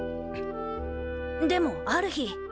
でもある日。